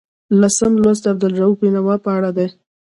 لسم لوست د عبدالرؤف بېنوا په اړه دی.